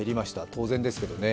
当然ですけどね。